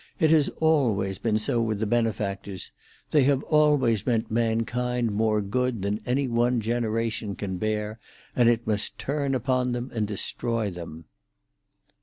"It has always been so with the benefactors. They have always meant mankind more good than any one generation can bear, and it must turn upon them and destroy them."